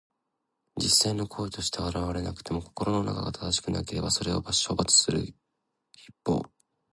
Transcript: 実際の行為として現れなくても、心の中が正しくなければ、それを処罰する筆法。